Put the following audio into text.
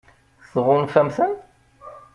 Tɣunfam-ten?